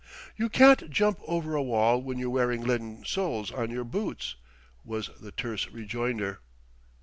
"You can't jump over a wall when you're wearing leaden soles on your boots," was the terse rejoinder.